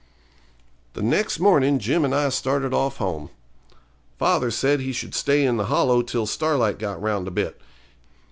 The next morning Jim and I started off home. Father said he should stay in the Hollow till Starlight got round a bit.